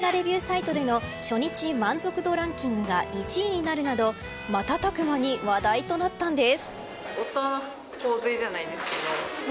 その人気作品が映画化されると国内最大級の映画レビューサイトでの初日満足度ランキングが１位になるなど瞬く間に話題となったんです。